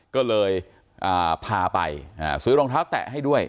ก็เลยพาไปซื้อรองเท้าแตะให้ด้วย